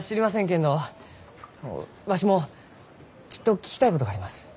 けんどわしもちっと聞きたいことがあります。